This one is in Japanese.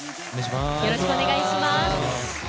よろしくお願いします。